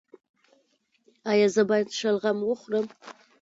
ایا زه باید شلغم وخورم؟